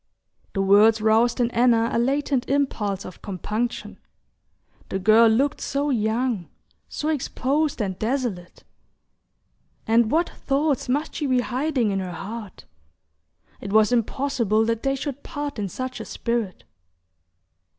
The words roused in Anna a latent impulse of compunction. The girl looked so young, so exposed and desolate! And what thoughts must she be hiding in her heart! It was impossible that they should part in such a spirit.